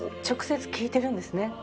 直接聞いてるんですね。